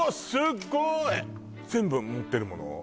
すごい！全部持ってるもの？